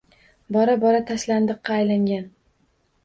Bora-bora tashlandiqqa aylangan